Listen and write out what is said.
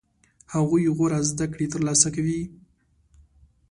هغوی غوره زده کړې ترلاسه کوي.